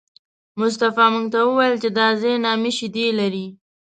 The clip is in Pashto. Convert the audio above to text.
مصطفی موږ ته وویل چې دا ځای نامي شیدې لري.